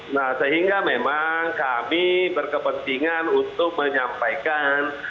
nah sehingga memang kami berkepentingan untuk menyampaikan